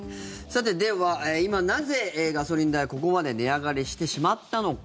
では今、なぜガソリン代ここまで値上がりしてしまったのか。